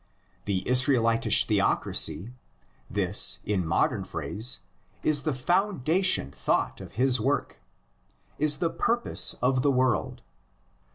The Israelitish theocracy— this, in modern phrase, is the foundation thought of his work — is the pur pose of the world.